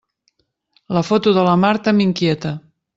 La foto de la Marta m'inquieta.